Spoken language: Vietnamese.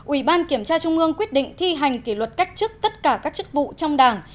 ủy ban kiểm tra trung ương quyết định thi hành kỷ luật cách chức tất cả các chức vụ trong đảng